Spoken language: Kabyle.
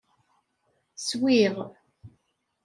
Swiɣ.